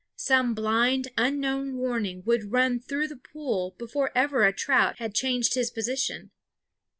Some blind, unknown warning would run through the pool before ever a trout had changed his position.